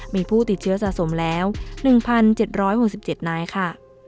มีผู้ติดเชื้อสะสมแล้ว๑๗๖๗นายค่ะ